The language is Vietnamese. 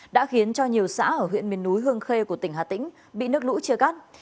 đã khiến cho nhiều xã ở huyện miền núi hương khê của tỉnh hà tĩnh bị nước lũ chia cắt